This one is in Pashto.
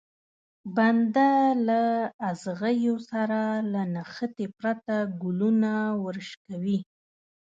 بنده له ازغيو سره له نښتې پرته ګلونه ورشکوي.